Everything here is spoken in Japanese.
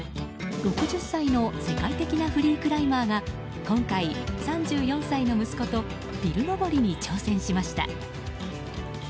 ６０歳の世界的なフリークライマーが今回、３４歳の息子とビル登りに挑戦しました。